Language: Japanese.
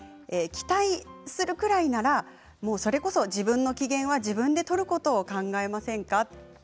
期待するぐらいならそれこそ自分の機嫌は自分で取ることを考えませんかと。